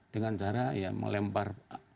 dengan cara melempar